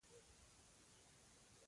غیرت بې له ویرې ولاړ وي